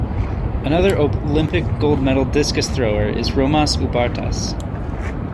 Another Olympic gold-medal discus thrower is Romas Ubartas.